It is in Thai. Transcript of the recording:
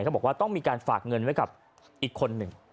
เขาบอกว่าต้องมีการฝากเงินไว้กับอีกคนหนึ่ง